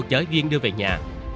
chở duyên đưa về nhà